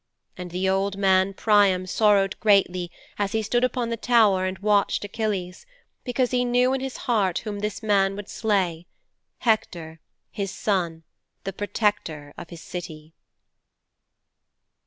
And the old man Priam sorrowed greatly as he stood upon the tower and watched Achilles, because he knew in his heart whom this man would slay Hector, his son, the protector of his City.'